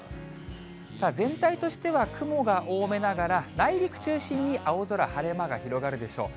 全体としては雲が多めながら、内陸中心に青空、晴れ間が広がるでしょう。